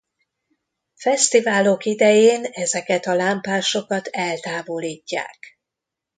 Fesztiválok idején ezeket a lámpásokat eltávolítják.